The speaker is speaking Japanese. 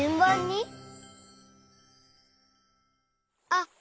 あっ！